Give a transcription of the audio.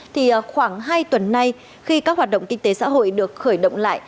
thì khoảng hai tuần nay khi các hoạt động kinh tế xã hội được khởi động lại